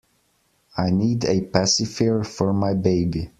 I need a pacifier for my baby.